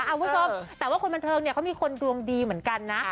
คุณผู้ชมแต่ว่าคนบันเทิงเนี่ยเขามีคนดวงดีเหมือนกันนะ